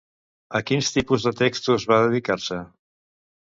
A quins tipus de textos va dedicar-se?